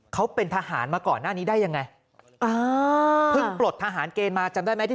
เขาเป็นทหารมาก่อนหน้านี้ได้อย่างไร